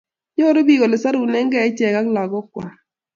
Nyoru bik olesarunekei ichek ak lakok kwai